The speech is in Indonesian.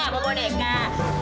mau bos nek kak